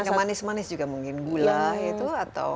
yang manis manis juga mungkin gula itu atau